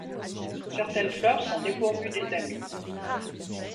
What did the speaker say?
Certaines fleurs sont dépourvues d'étamines.